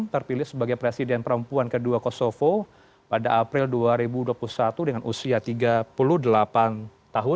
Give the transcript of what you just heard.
terpilih sebagai presiden perempuan kedua kosovo pada april dua ribu dua puluh satu dengan usia tiga puluh delapan tahun